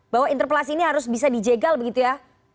bahwa interpelasi ini harus bisa dijegal begitu ya